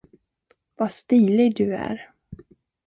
Vad stilig du är.